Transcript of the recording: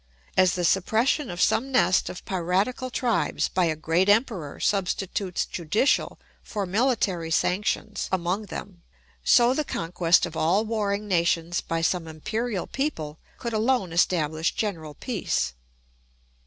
As the suppression of some nest of piratical tribes by a great emperor substitutes judicial for military sanctions among them, so the conquest of all warring nations by some imperial people could alone establish general peace.